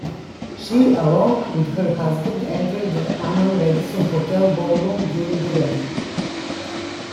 She, along with her husband, entered the Amman Radisson Hotel ballroom during a wedding.